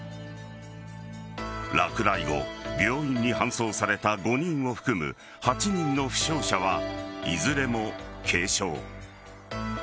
落雷後、病院に搬送された５人を含む８人の負傷者はいずれも軽傷。